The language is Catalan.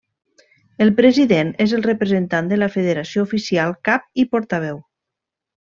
El president és el representant de la Federació oficial cap i portaveu.